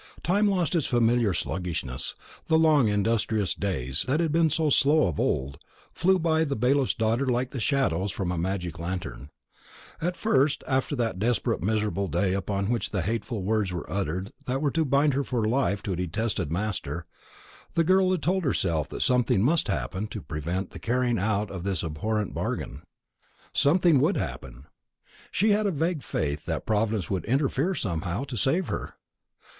Time lost its familiar sluggishness; the long industrious days, that had been so slow of old, flew by the bailiff's daughter like the shadows from a magic lantern. At the first, after that desperate miserable day upon which the hateful words were uttered that were to bind her for life to a detested master, the girl had told herself that something must happen to prevent the carrying out of this abhorrent bargain. Something would happen. She had a vague faith that Providence would interfere somehow to save her.